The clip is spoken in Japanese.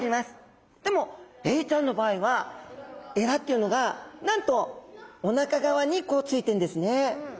でもエイちゃんの場合は鰓っていうのがなんとおなか側にこうついてんですね。